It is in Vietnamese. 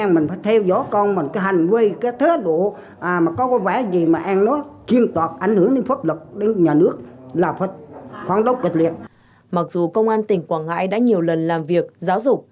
mặc dù công an tỉnh quảng ngãi đã nhiều lần làm việc giáo dục